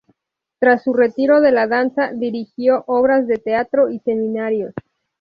Tras su retiro de la danza, dirigió obras de teatro y seminarios.